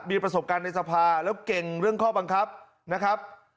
มีประสบการณ์ในสภาแล้วเก่งเรื่องข้อบังคับนะครับ